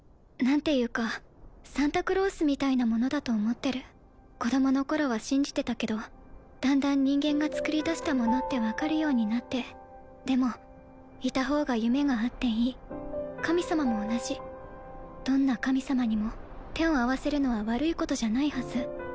何ていうかサンタクロースみたいなものだと思ってる子供の頃は信じてたけどだんだん人間がつくりだしたものって分かるようになってでもいた方が夢があっていい神様も同じどんな神様にも手を合わせるのは悪いことじゃないはず